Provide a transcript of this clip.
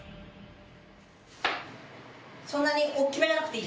そんなに大きめじゃなくていい？